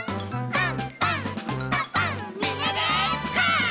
パン！